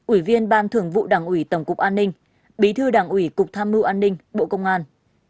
ủy viên ban thường vụ đảng ủy tổng cục an ninh bí thư đảng ủy cục tham mưu an ninh bộ công an